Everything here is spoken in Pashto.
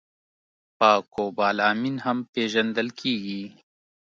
په کوبالامین هم پېژندل کېږي